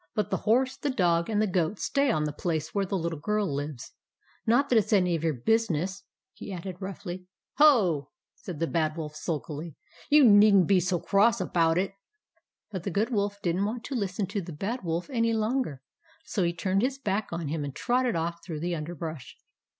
" But the horse, the dog, and the goat stay on the place where the Little Girl lives. Not that it 's any of your business," he added, roughly. " Ho !" said the Bad Wolf, sulkily. " You need n't be so cross about it." But the Good Wolf did n't want to listen to the Bad Wolf any longer, so he turned his back on him and trotted off through the underbrush.